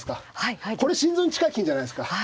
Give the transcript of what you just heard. これ心臓に近い金じゃないですか。